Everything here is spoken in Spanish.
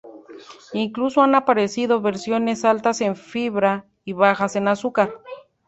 Incluso han aparecido versiones altas en fibra y bajas en azúcar.